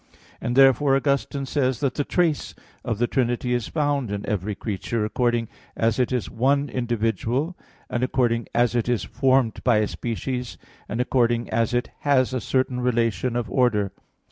And therefore Augustine says (De Trin. vi 10) that the trace of the Trinity is found in every creature, according "as it is one individual," and according "as it is formed by a species," and according as it "has a certain relation of order."